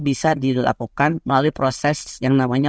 bisa dilakukan melalui proses yang namanya